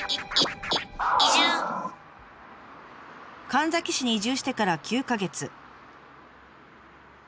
神埼市に移住してから９か月。